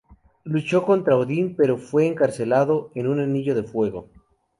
Luchó contra Odín pero fue encarcelado en un anillo de fuego.